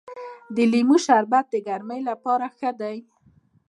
د لیمو شربت د ګرمۍ لپاره ښه دی.